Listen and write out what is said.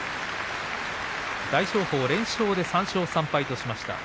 大翔鵬、連勝で３勝３敗としました。